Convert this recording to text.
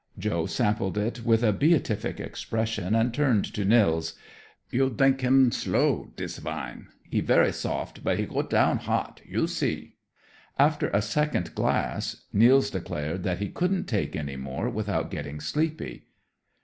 Joe sampled it with a beatific expression, and turned to Nils. "You drink him slow, dis wine. He very soft, but he go down hot. You see!" After a second glass Nils declared that he couldn't take any more without getting sleepy.